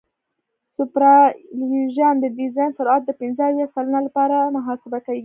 سوپرایلیویشن د ډیزاین سرعت د پنځه اویا سلنه لپاره محاسبه کیږي